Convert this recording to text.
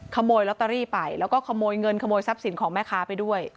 ขโมยลอตเตอรี่ไปแล้วก็ขโมยเงินขโมยทรัพย์สินของแม่ค้าไปด้วย